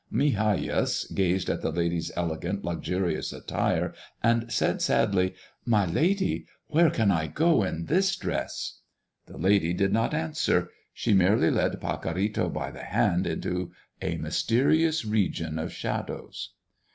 Migajas gazed at the lady's elegant, luxurious attire and said sadly, "My lady, where can I go in this dress?" The lady did not answer; she merely led Pacorrito by the hand into a mysterious region of shadows.